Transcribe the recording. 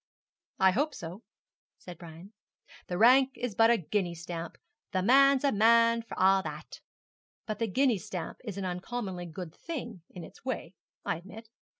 'I hope so,' said Brian. '"The rank is but the guinea stamp, the man's a man for a' that." But the guinea stamp is an uncommonly good thing in its way, I admit.'